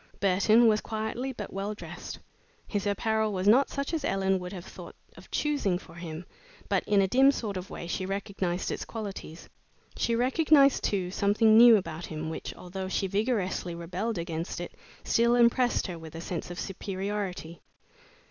Burton was quietly but well dressed. His apparel was not such as Ellen would have thought of choosing for him, but in a dim sort of way she recognized its qualities. She recognized, too, something new about him which, although she vigorously rebelled against it, still impressed her with a sense of superiority.